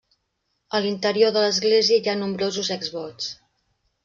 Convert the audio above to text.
A l'interior de l'església hi ha nombrosos exvots.